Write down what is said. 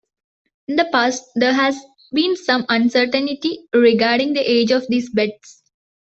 In the past, there has been some uncertainty regarding the age of these beds.